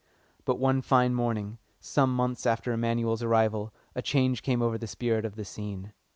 But one fine morning, some months after Emanuel's arrival, a change came over the spirit of the scene.